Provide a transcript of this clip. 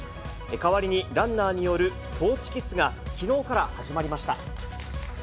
代わりにランナーによるトーチキスが、きのうから始まりました。